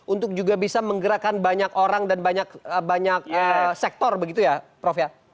untuk juga bisa menggerakkan banyak orang dan banyak sektor begitu ya prof ya